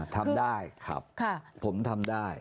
ทำได้ครับผมทำได้